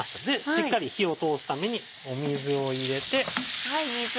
しっかり火を通すために水を入れて。